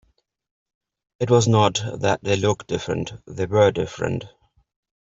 It was not that they looked different; they were different.